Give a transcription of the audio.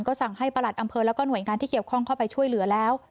สั่งให้ประหลัดอำเภอแล้วก็หน่วยงานที่เกี่ยวข้องเข้าไปช่วยเหลือแล้ว